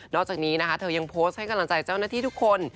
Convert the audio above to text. อกจากนี้นะคะเธอยังโพสต์ให้กำลังใจเจ้าหน้าที่ทุกคน